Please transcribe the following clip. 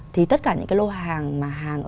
thì tất cả những cái lô hàng mà hàng